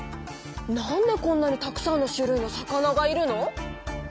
なんでこんなにたくさんの種類の魚がいるの？